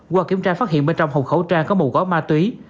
qua kiểm tra phát hiện bên trong hộp khẩu trang có một gói ma túy